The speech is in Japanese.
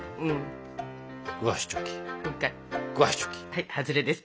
はいハズレです！